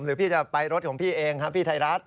หรือพี่จะไปรถของพี่เองพี่ไทยรัฐ